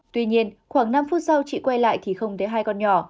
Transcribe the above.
tuy nhiên khoảng năm phút sau chị quay lại thì không thấy hai con nhỏ